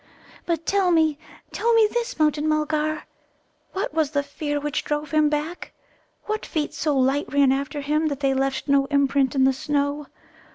"But tell me tell me this, Mountain mulgar: What was the fear which drove him back? What feet so light ran after him that they left no imprint in the snow?